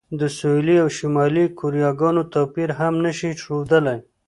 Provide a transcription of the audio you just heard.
د سویلي او شمالي کوریاګانو توپیر هم نه شي ښودلی.